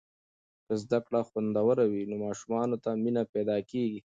که زده کړه خوندوره وي، نو ماشومانو ته مینه پیدا کیږي.